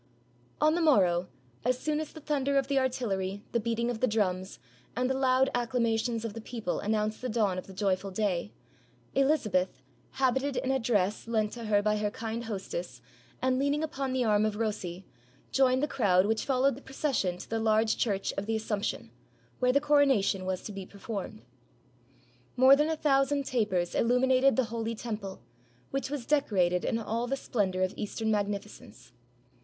] On the morrow, as soon as the thunder of the artillery, the beating of the drums, and the loud acclamations of the people announced the dawn of the joyful day, Eliza beth, habited in a dress lent to her by her kind hostess, and leaning upon the arm of Rossi, joined the crowd which followed the procession to the large Church of the Assumption, where the coronation was to be per formed. More than a thousand tapers illuminated the holy temple, which was decorated in all the splendor of East ern magnificence.